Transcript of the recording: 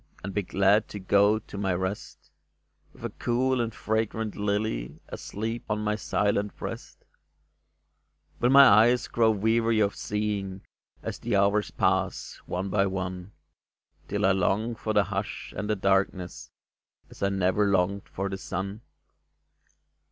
And be glad to go to my rest, With a cool and fragrant lily Asleep on my silent breast ? Will my eyes grow weary of seeing, As the hours pass, one by one, Till I long for the hush and the darkness As I never longed for the sun